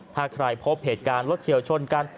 ถ้าใครพบเหตุการณ์รถเฉียวชนกัน